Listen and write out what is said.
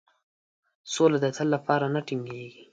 سوله د تل لپاره نه ټینګیږي.